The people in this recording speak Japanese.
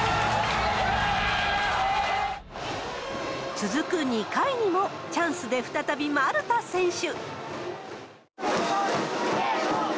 続く２回にもチャンスで再び丸田選手。